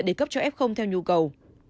để cấp cho f theo nhu cầu